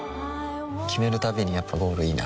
決めるたびにやっぱゴールいいなってふん